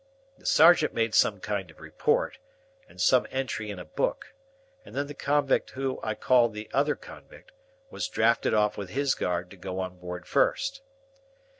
The sergeant made some kind of report, and some entry in a book, and then the convict whom I call the other convict was drafted off with his guard, to go on board first.